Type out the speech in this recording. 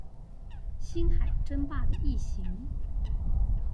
星海爭霸的異型